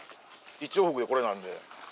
１往復でこれなんで。